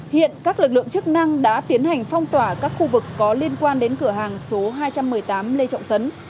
hiện các lực lượng chức năng đã tiến hành phong tỏa các khu vực có liên quan đến cửa hàng số hai trăm một mươi tám lê trọng tấn